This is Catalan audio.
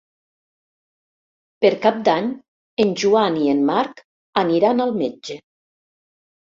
Per Cap d'Any en Joan i en Marc aniran al metge.